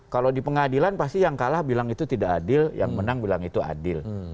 kalau di pengadilan pasti yang kalah bilang itu tidak adil yang menang bilang itu adil